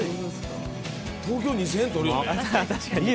東京２０００円取るよね。